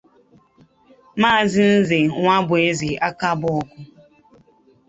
Maazị Nze Nwabueze Akabuogu